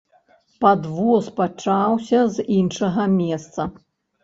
Падвоз пачаўся з іншага месца.